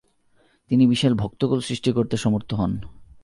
তিনি বিশাল ভক্তকূল সৃষ্টি করতে সমর্থ হন।